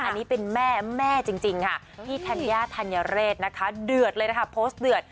อันนี้เป็นแม่แม่จริงค่ะพี่ธัญญาธัญเรศนะคะเดือดเลยนะคะโพสต์เดือด